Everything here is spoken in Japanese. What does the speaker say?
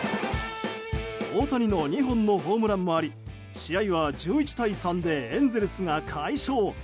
大谷の２本のホームランもあり試合は１１対３でエンゼルスが快勝。